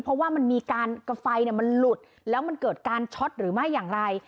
เพราะว่ามันมีการไฟมันหลุดแล้วมันเกิดการช็อตหรือไม่อย่างไร